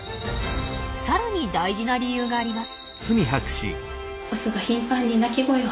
さらに大事な理由があります。